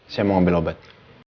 saya mau ambil obat